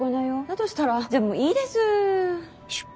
だとしたらじゃもういいです。